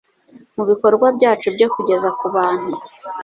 mu bikorwa byacu byo kugeza ku bantu